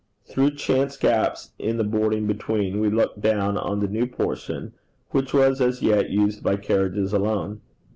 Through chance gaps in the boarding between, we looked down on the new portion which was as yet used by carriages alone.